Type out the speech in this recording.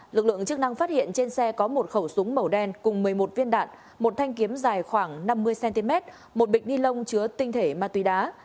lực lượng chức năng phát hiện trên xe có một khẩu súng màu đen cùng một mươi một viên đạn một thanh kiếm dài khoảng năm mươi cm một bịch ni lông chứa tinh thể ma túy đá